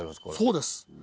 そうです。